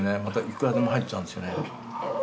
またいくらでも入っちゃうんですよね。